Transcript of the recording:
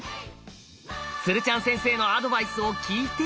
鶴ちゃん先生のアドバイスを聞いて。